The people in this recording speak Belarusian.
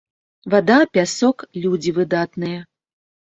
Вада, пясок, людзі выдатныя.